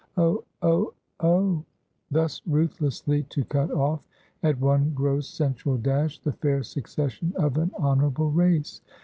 Oh! oh! oh! Thus ruthlessly to cut off, at one gross sensual dash, the fair succession of an honorable race!